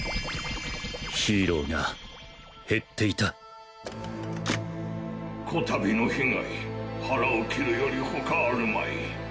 ヒーローが減っていた此度の被害腹を切るより他あるまい。